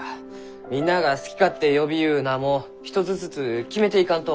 みんなあが好き勝手呼びゆう名も一つずつ決めていかんと。